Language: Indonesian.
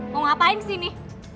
mau ngapain di sini